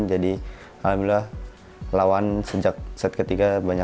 jadi alhamdulillah lawan sejak set ketiga banyak tertekan dari awal sih